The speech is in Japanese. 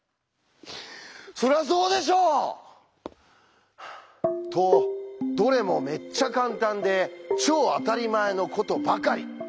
そりゃあそうでしょ！とどれもめっちゃカンタンで超あたりまえのことばかり。